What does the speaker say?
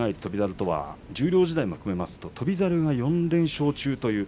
十両時代も含めますと翔猿が連勝しています。